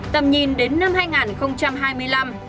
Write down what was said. tầm nhìn đến năm hai nghìn hai mươi năm